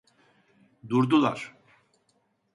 Durdular.